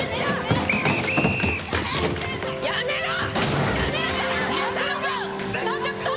やめろ！